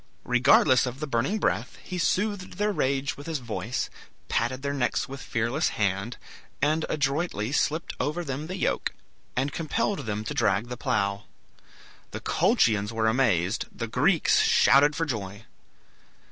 Regardless of the burning breath, he soothed their rage with his voice, patted their necks with fearless hand, and adroitly slipped over them the yoke, and compelled them to drag the plough. The Colchians were amazed; the Greeks shouted for joy.